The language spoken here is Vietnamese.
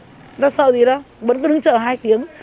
người ta sợ gì đó vẫn cứ đứng chờ hai tiếng